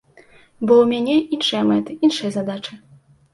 Бо ў мяне іншыя мэты, іншыя задачы.